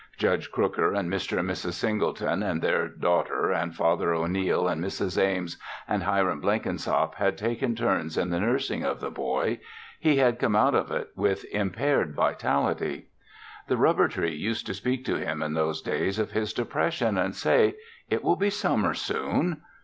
Judge Crooker and Mr. and Mrs. Singleton and their daughter and Father O'Neil and Mrs. Ames and Hiram Blenkinsop had taken turns in the nursing of the boy. He had come out of it with impaired vitality. The rubber tree used to speak to him in those days of his depression and say, "It will be summer soon."